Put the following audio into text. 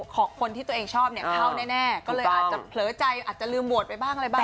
ของคนที่ตัวเองชอบเนี่ยเข้าแน่ก็เลยอาจจะเผลอใจอาจจะลืมโหวตไปบ้างอะไรบ้าง